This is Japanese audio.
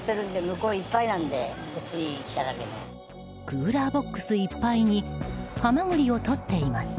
クーラーボックスいっぱいにハマグリをとっています。